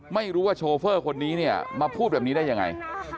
ไม่รู้ว่าโชเฟอร์คนนี้เนี่ยมาพูดแบบนี้ได้ยังไง